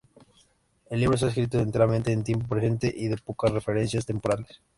El libro está escrito enteramente en tiempo presente, y da pocas referencias temporales.